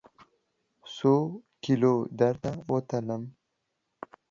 څوکیلو درته وتلم؟